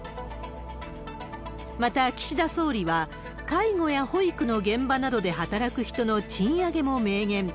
また、岸田総理は介護や保育の現場などで働く人の賃上げも明言。